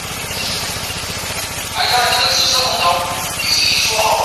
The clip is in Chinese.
黄细心为紫茉莉科黄细心属下的一个种。